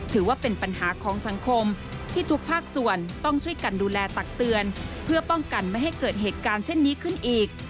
ถือว่าเป็นปัญหาของสังคมที่ทุกภาคส่วนต้องช่วยกันดูแลตักเตือนเพื่อป้องกันไม่ให้เกิดเหตุการณ์เช่นนี้ขึ้นอีก